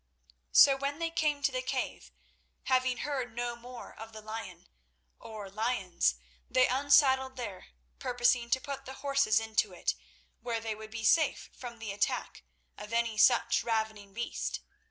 So when they came to the cave, having heard no more of the lion, or lions, they unsaddled there, purposing to put the horses into it, where they would be safe from the attack of any such ravening beast.